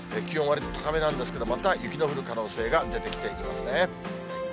気温はわりと高めなんですけど、また雪の降る可能性が出てきていますね。